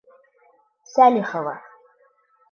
Сәлихова.